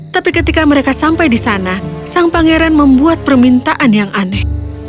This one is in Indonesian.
tapi ketika mereka sampai di sana sang pangeran membuat permintaan yang aneh